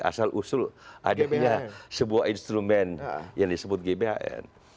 asal usul adanya sebuah instrumen yang disebut gbhn